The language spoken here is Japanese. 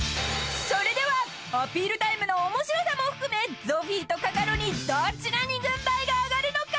［それではアピールタイムの面白さも含めゾフィーとカカロニどちらに軍配が上がるのか？］